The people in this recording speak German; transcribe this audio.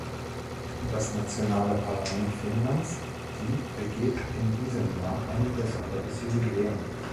Das nationale Parlament Finnlands, die, begeht in diesem Jahr ein besonderes Jubiläum.